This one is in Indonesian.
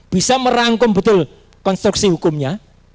bisa merangkum betul konstruksi hukumnya